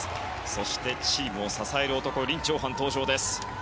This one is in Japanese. そしてチームを支える男リン・チョウハンの登場です。